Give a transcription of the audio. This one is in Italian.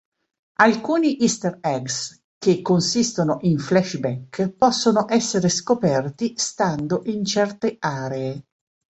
Alcuni easter eggs, che consistono in flashback, possono essere scoperti stando in certe aree.